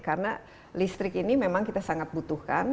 karena listrik ini memang kita sangat butuhkan